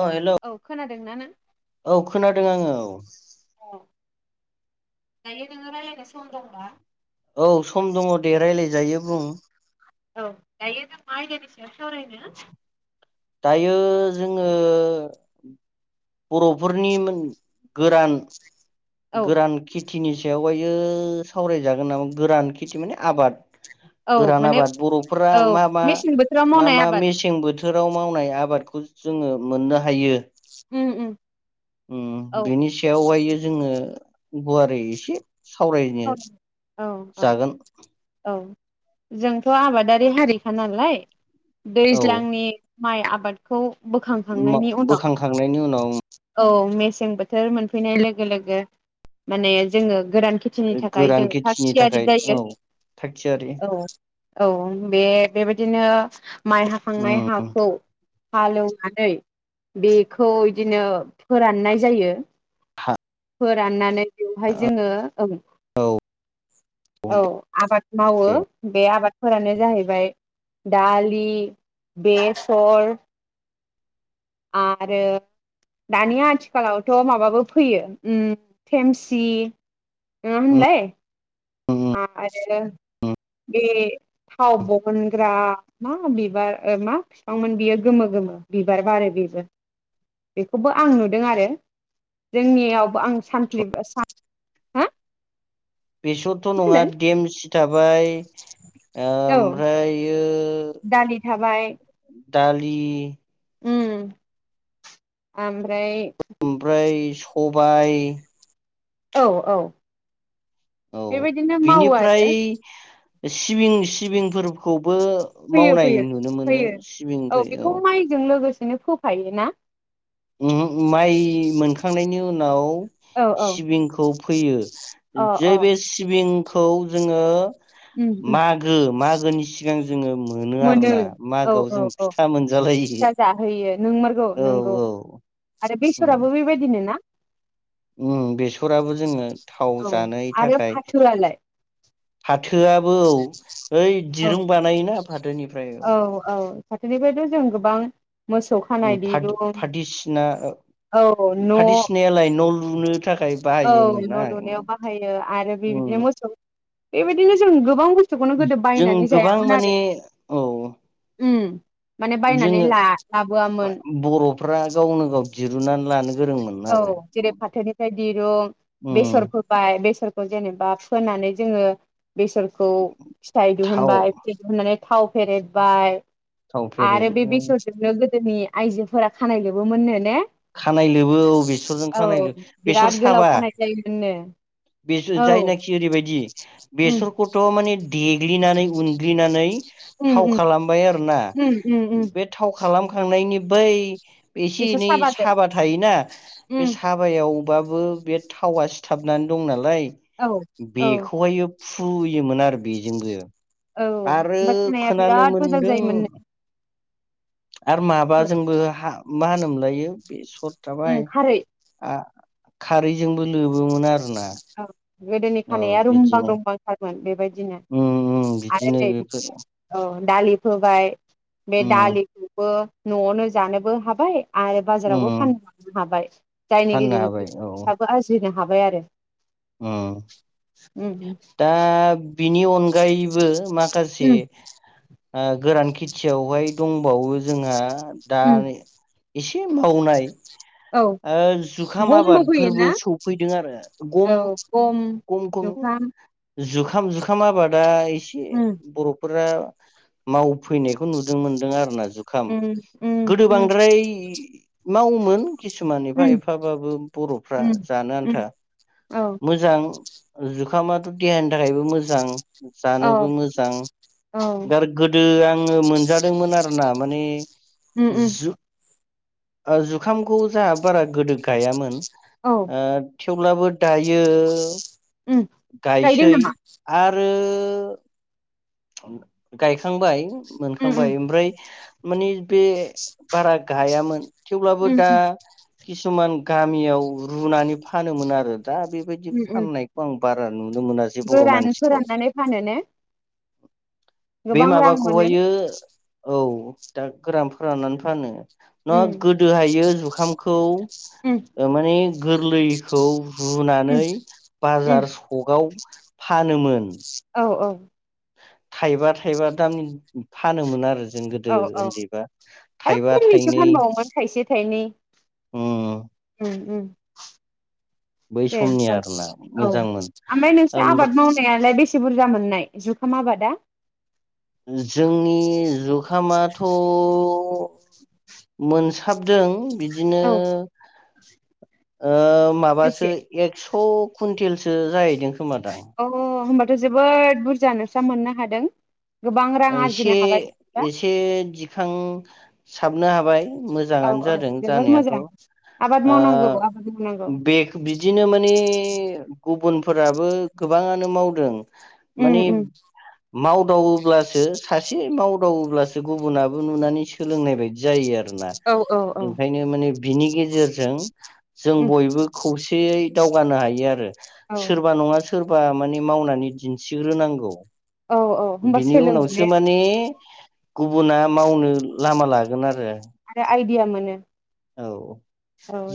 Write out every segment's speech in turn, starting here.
अ hello दोंना [unintelligible] औ खोनादों आङो औ औ दायो नोङो रायलायनो सम दंना? औ सम दङ दे रायलायजायो बुं औ दायो जों मा आयदानि सायाव सावरायनो दायो जोङो बर'फोरनि मोन गोरान औ गोरान खित थिनि सायाव हायो सावरायजागोन नामा गोरान खेथि माने आबाद औ गोरान माने आबाद बर'फोरा औ मा मा मेसें बोथोराव मा मावनाय मा आबाद मेसें बोथ बोथोराव मावनाय आबादखौ जोङो मोननो हायो। उम उम उम औ बिनि सायावहाय जोङो गुवारै एसे सावरायनो औ औ जागोन। औ जोंथ' आबादारि हारिखा नालाय औ दैज्लांनि माइ आबादखौ [inaudible] बोखांखांनायनि उनाव बोखांखांनायनि उनाव औ मेसें बोथोर मोनफैनाय लोगो लोगो माने जोङो गोरान नि थाखाय जों गोरान थाग खेथिनि थियारि थाखाय जायो औ थाग थियारि औ औ बे बेबायदिनो माइ हाखांनाय उम हाखौ हालेवनानै बेखौ बिदिनो फोराननाय जायो हा फोराननानै बेवहाय जों [unintelligible] औ आबाद मावो बे आबादफोरानो जाहैबाय दालि बेसर आरो दानि आथिखालावथ' माबाबो फैयो थेमसि [unintelligible] आरो बे थाव बहनग्रा मा बिबार मा बिफांमोन बियो गोमो गोमो बिबार बारो बेबो बेखौबो आं नुदों आरो जोंनियावबो आं [unintelligible] बेसरथ' नङा होनदों देमसि थाबाय औ ओमफ्रायो दालि थाबाय दालि ओम ओमफ्राय ओमफ्राय सबाइ औ औ औ बेबायदिनो मावो बिनिफ्राय आरो सिबिं सिबिंफोर खौबो फैयो मावनाय फैयो नुनो मोनो सिबिं फैयो औ। नो फोफायो ना उम उ माइ मोनखां थांनायनि उनाव औ [inaudible] औ सिबिंखौ फैयो अ जै अ बे सिबिंखौ जोङो उम उम मागो मागोनि सिगां जोङो मोनो आरोना औ मागोआव औ जों औ फिथा मोनजालायो। फिथा जाहोयो नोंमारगौ औ नोंगौ औ आरो उम बेसराबो बेबायदिनो ना? उम बेसराबो जोङो थाव औ जानो आरो थाखाय फाथोआलाय फाथोआबो औ ओइ औ दिरुं बानायोना फाथोनिफ्राय औ फाथोनिफ्रायथ' जों गोबां मोसौ उम खानाय दिरुं फादो औ फादिसिना ओ न' फादिसिनायालाय न' लु [unintelligible] औ न' लुनायाव बाहायो आरो उम बिबदिनो मोसौ बेबायदिनो जों गोबां बु जों गोबां माने औ उम माने बायनानै जोङो ला बा लाबोआमोन बर'फ्रा गावनो गाव दिरुननानै लानो गोरोंमोन औ आरो जेरै फाथोनिफ्राय दिरुं बेसर उम फोबाय बेसर जेनेबा फोनानै जोङो बेसरखौ फिथाइ थाव दिहुनबाइ फिथाइ दिहुननानै थाव फेरेदबाय थाव आरो बे फेरेद बेसरजोंनो गोद जोंनि आइजोफोरा खानाय लोबोमोननो ने खानाय लोबो औ बेसरजों औ खानाय लोब बेसर बिराद गोलाव साबा खानाय जायोमोननो बेस औ जायनाखि ओरैबायदि उम बेसरखौथ' माने देग्लिनानै उनग्लिनानै उम थाव उम खालामबाय आरोना उम उम उम बे थाव खालामखांनायनि बै बे एसे बेसर एनै साबाजों साबा थायोना बे उम साबायाव बाबो बे थावा सिथाबनानै दं नालाय औ बेखौहाय फुयोमोन आरो बेजोंबो औ आरो ओमफ्राय खानाया खोनानो बिराद मोजां मोनदों जायोमोन नो आरो माबा जोंबो मा होनो लायो बे सु खर उम थाबाय खारै आ खारै जोंबो लोबोमोन आरोना। औ गोदोनि औ खानाया रुमबां बिदिनो रुमबां थारमोन बे बिदिनो उम उम आरो बिदिनो नै बेफोर औ। दालि फोबाय बे उम दालि खौबो न'आवनो जानोबो हाबाय। आरो बाजारावबो उम फानलांनो हाबाय जायनि फाननो गेजेरजों हाबाय फैसाबो आरजिनो जों हाबाय आरो। ओम। उम उम। बिनि अनगायैबो माखासे आ गोरान खेथियावहाय दंबावो जोंआ दा उम उम आं एसे ए मावनाय औ ओ जुखाम गमबो फैयो आबादफोरबो ना? सफैदों आरो गम औ गम खम खम जुखाम जुखाम जुखाम आबादा एसे उम बर'फोरा मावफैनायखौ नुदों मोनदों आरोना। जुखाम उम उम गोदो उम बांद्राय मावोमोन। किसुमान एफा उम एफाबाबो बर'फ्रा उम जानो उम आन्था औ मोजां ओ जुखामाथ' देहानि थाखायबो मोजां । औ जानोबो मोजां औ दा आरो गोदो आङो मोनजादोंमोन आरोना। माने उम उम। आ जुखामखौ जोंहा बारा गोदो गायामोन । औ आ थेवब्लाबो दायो उम गायदों गायसै नामा? आरो आरो गायखांबाय । उम उम मोनखांबाय ओमफ्राय मानि बे बारा गायामोन । थेवब्लाबो उम उम दा किसुमान गामियाव रुनानै फानोमोन आरो । दा बेबायदि उम उम फाननाय बारा नुनो मोनासै बर' गोरान मानसिखौ फोराननानै फानो ने? बे गोबां रां मोनो माबाखौहायो औ दा गोरान फोराननानै फानो । नंआ उम गोदोहायो जुखाम खौ उम ओ माने गोरलैखौ उम रुनानै उम बाजार सकआव फानोमोन । औ औ । थाइबा थाइबा दाम फानोमोन आरो । औ औ आरो खमनिसो थाइनै फानबावोमोन थाइसे थाइनै उम उम्म उम्म बै । समनि आरोना बेनोथन‌ औ मोजांमोन ओमफाय नोंसोर ओमफ्राय आबाद मावनायालाय बेसे बुरजा मोननाय जुखाम आबादा? जोंनि जुखामाथ' मोनसाबदों । बिदिनो औ ओ माबासो बेसे एकस थ' कुइन्टेलसो जाहैदों । अ होमबाथ जोबोद बुरजा नोंस्रा मोननो हादों गोबां रां ओ एसे आरजिनो हाबाय बिदिबा एसे दि थां साबनो हाबाय औ मोजाङानो औ जादों जोबोर जानायाथ' मोजां ओ आबाद मावनांगौ आबाद मावनांगौ बेग बिदिनो माने माने गुबुनफोराबो गोबाङानो मावदों उम माने उम मावदावोब्लासो सासे मावदावोब्लासो गुबुनाबो नुनानै सोलोंनाय बायदि जायो आरो आरोना औ औ औ ओंखायनो माने बिनि गेजेरजों जों उम बयबो खौसेयै दावगानो हायो आरो औ सोरबा नङा सो सोरबा माने मावनानै दिन्थिग्रोनांगौ औ औ होनबा सोलों सो माने गुबुना मावनो लामा लागोन आरो आरो आइ गैया माने [unintelligible] औ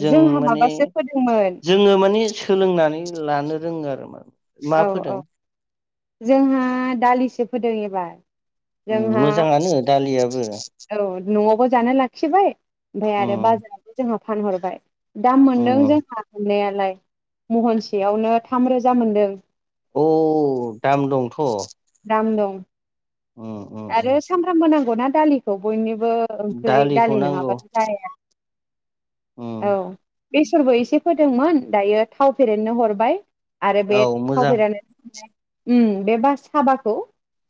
जों माने माबासो फोदोंमोन जोङो माने सोलोंनानै लानो रोङो आरो मा मा औ फोदों औ जोंहा दालिसो फोदों एबार उम जोंहा मोजाङानो दालियाबो औ न'आवबो जानो लाखिबाय ओमफ्राय आरो बाजाराबो जोंहा फानहरबाय दाम मोनदों जोंहा मोननायालाय महनसेयावनो थाम रोजा मोनदों औ दाम दंथ'। दाम दं। उम उम आरो सामफ्रामबो नांगौ नांगौना दालिखौ बयनो बो उम ओंख्रि दालिखौ दालि नांगौ नङाबानो जाया उम औ। बेसरबो एसे फोदोंमोन दायो थाव फेरेननो हरबाय। आरो बे औ मोजां थावफेरानो। उ बे बास। हाबाखौ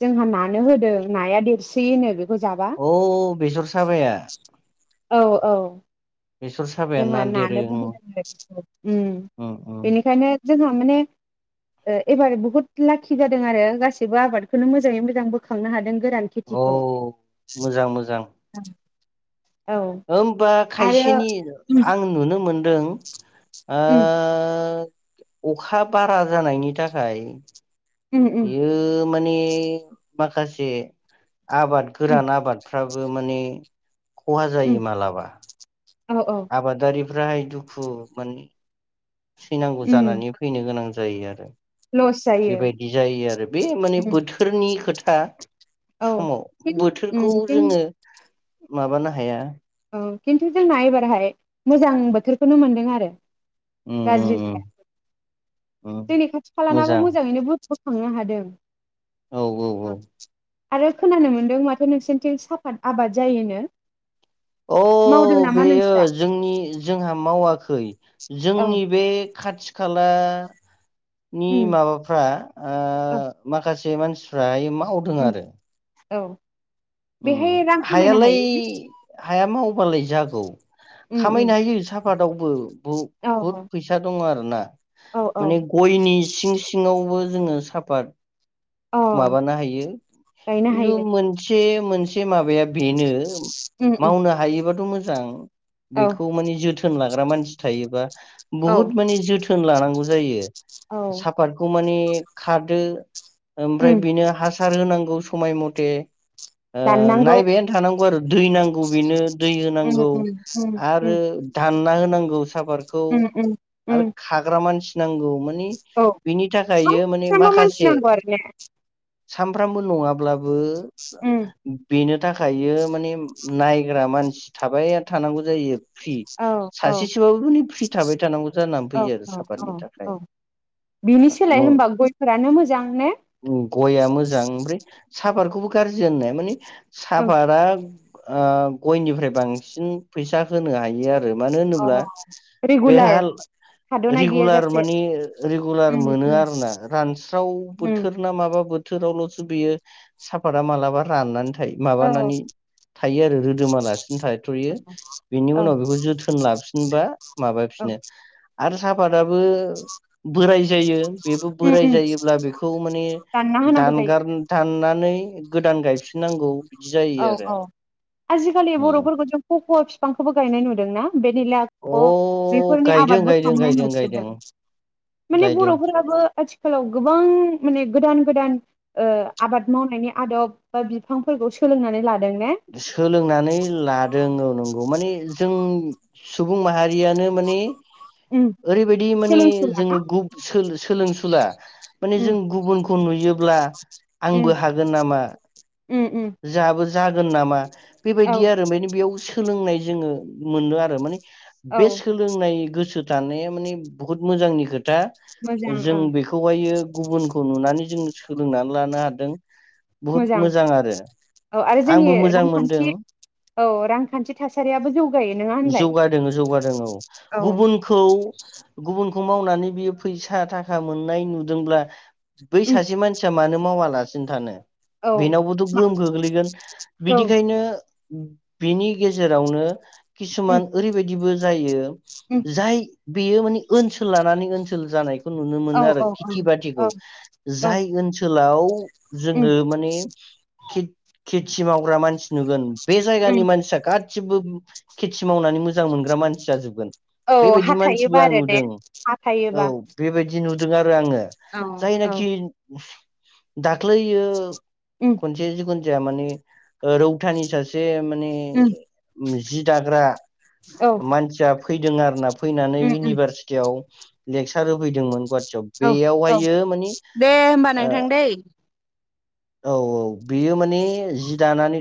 जोंहा नानो होदों नाया देरस होनो बे। औ बेसर साबाया- औ -औ-। बेसर साबायानो ना देरो ओं। उ उम उम बेनिखायनो। जोंहा माने एबार बुहुत लाखि जादों आरो गासि बो आबादखौनो मोजाङै मोजां बोखांनो हादों। गोरान औ खेथिखौ। मोजां मोजां औ होमबा आरो खायसेनि उम आं नुनो मोन दों ओ अखा बारा जानायनि थाखाय उम उम उम यो माने माखासे आबाद उम गोरान आबादफ्राबो माने खहा जायो उम मालाबा। औ औ राय दुखु माने सैनांगौ उम जानानै फैनो गोनां जा जायो आरो। लस जायो बेबायदि जायो आरो बे माने उम बोथोरनि खोथा औ समाव फिन उम बोथोरखौ फिन जोङो माबानो हाया। औ खिन्थु जोंना एबारहाय मोजां बोथोरखौनो मोनदों आरो। उम उम गाज्रि उम जाया उम जोंनि खाथि खालानाबो मोजां मोजाङैनो बु बोखांनो हादों। औ औ औ आरो खोनानो मोन्दों माथो नोंसोरथिं साफाद आबाद जायोनो? अ मावदों नामा बेयो नोंस्रा जोंनि जोंहा मावाखै औ जोंनि बे खाथि खाला नि उम माबाफ्रा औ माखासे माखासे मानसिफ्रा मा मावदों उम आरो। औ। बेहाय रां खामायनो हायालाय हायो ने हाया मावबालाय जागौ उम उम खामायनो हायो साफादावबो औ बुहुद फैसा दं आरो। ना। औ औ औ माने गयनि सिं सिंङावबो। जोङो साफाद अ माबानो हायो गायनो खिन्थु हायो मोनसे मोनसे माबाया बेनो उम उम मावनो हायोबाथ मोजां। मोजां। औ बेखौ माने जोथोन लाखिनो। थाग्रा मानसि थायोबा। औ बुहुत माने जोथोन लानांगौ। जायो। औ सापादखौ माने खादो। ओमफ्राय उम बिनो हासार होनांगौ। समाय मथे। दाननांगौ नायबायानो थानांगौ आरो दै नांगौ बेनो दै उम होनांगौ उम उम आरो दानना होनांगौ सापादखौ उम उम आरो उम खाग्रा मानसि। नांगौ माने औ बिनि थाखाय माने सानफ्रामबो मानसि माखासे। नांगौ आरो ने सानफ्रामबो नङाब्लाबो। बो उम बेनो। थाखायो माने नायग्रा मानसि थाबायानो थानांगौ जायो। फ्रि औ औ सासेसोबाबो फ्रि थाबाय थानांगौ जानानै औ फैयो आरो औ औ सापादनि थाखाय औ बिनि सोलाय न। होनबा गयफोरानो मोजां ने गयआ मोजां ओमफ्राय। साफादखौबो गाज्रि होननो हाया माने। ओं साफादा। ओ गयनिफ्राय बांसिन फैसा होनो हायो आरो। मानो होनोब्ला बेहा रेगुलार थाद'नाय रेगुलार गैयाजासे माने रेगुलार उम मोनो उम आरोना रासिन। सावन उम बोथोर ना माबा बोथोर। बोथोरावलसो बियो साफादा मालाबा राननानै थाय औ माबानानै थायो आरो रोदोमा लासिनो थाथ'यो बेनि औ उनाव बेखौ जोथोन लाफिनबा माबाफिनो आरो सापाद फ्राबो बोराइ जायो बेबो उम बोराइ उम जायो अब्ला बेखौ माने दानना होनांगौ जायो दानगार दाननानै गोदान गायफि औ औ आजिखालि बर'फोरखौ जों कक' फि फांखौबो गायनाय नुदों ना बेनिलाख' अ बेफोरनि गायदों आबादबो गायदों खालामनाय गायदों नुसोदों गायदों माने गायदों बर'फोराबो आथिखालाव गोबां माने गोदान गोदान ओ आबाद मावनायनि आदब बा बिफां फोरखौ सोलोंनानै ला सोलोंनानै लादों औ नंगौ माने जों सुबुं माहारि यानो माने उम ओरैबायदि माने सोलोंसुला जों ना गुब सोलोंसुला माने उम जों गुबुनखौ नुयो ला आंबो हागोन नामा? ओम ओम। जोंहाबो जागोन नामा? बेबायदि आरो ओमफायनो बेयाव सोलोंनाय जोङो मोनो आरो माने औ बे सोलोंनाय गोसो थानाया माने बहुद मोजांनि खोथ दा मोजां जों ओं बेखौहायो गुबुनखौ नुनानै जोंङ सोलोंनानै लानो हादों। बहुद मोजां आरो। औ आरो जोंनि आंबो मोजां रांखान्थि मोनदों औ रांखान्थि थासारियाबो जौगायो नङा होनलाय जौगादों जौगादों औ औ। गुबुनखौ गुबुनखौ मावनानै बियो फैसा थाखा मोननाय नुदोंब्ला बै उम सासे मानसिया मानो मावाला सिन थानो। औ बेनावबो थ' गोहोम गोग्लैगोन औ बिदिखायनो बिनि गेजेरावनो उम किसुमान ओरैबायदिबो जायो। उम जाय बेयो माने ओनसोल लानानै ओनसो जानायख नुनो औ मोनो आरो औ औ खेथि बाखौ औ औ जाय ओनसोल लाउ उम जोङो माने खेथि मावग्रा मानसि नुगोन बे उम जायगानि मानसिया गा सिबो खेथि मावनानै मोजां मोनग्रा मानसि जाजोबगोन। औ बेबायदि हा मानसिबो थायोबा आं आरो ने नुदों हा औ थायोबा बेबायदि नुदों आरो आङो औ औ जायनाखि दाग ख्लैयो उम खुन जाया माने रौथानि सासे माने उम जि दाग्रा औ मानसिया फैदों आरो ना। फैनानै उम उम इउनिभारसिटियाव लेक्सार होफैदोंमोन गुवाहाटियाव औ औ बेयावहायो माने दे होमबा ओ नोंथां दै। औ औ बेयो माने जि दानानै